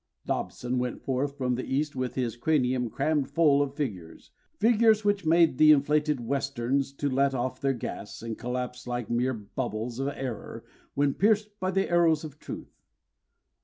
Dobson went forth from the East with his cranium crammed full of figures, Figures which made the inflated Westerns to let off their gas And collapse like mere bubbles of error when pierced by the arrows of truth.